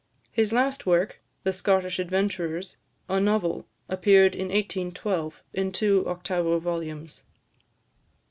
His last work, "The Scottish Adventurers," a novel, appeared in 1812, in two octavo volumes.